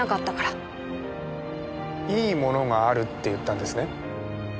いいものがあるって言ったんですね？